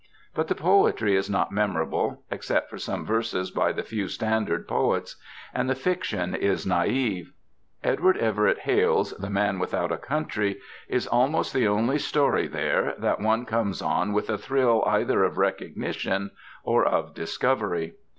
But the poetry is not memorable, except for some verses by the few standard poets. And the fiction is naïve. Edward Everett Hale's "The Man Without a Country" is almost the only story there that one comes on with a thrill either of recognition or of discovery.